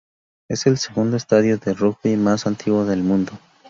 Es el segundo estadio de rugby más antiguo del mundo.